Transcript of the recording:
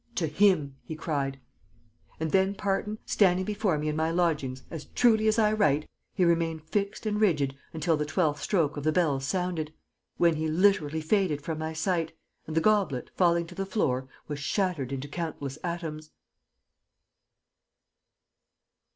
"'To him!' he cried. "And then, Parton, standing before me in my lodgings, as truly as I write, he remained fixed and rigid until the twelfth stroke of the bells sounded, when he literally faded from my sight, and the goblet, falling to the floor, was shattered into countless atoms!"